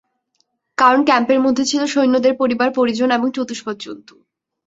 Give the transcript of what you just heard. কারণ, ক্যাম্পের মধ্যে ছিল সৈন্যদের পরিবার-পরিজন এবং চতুষ্পদ জন্তু।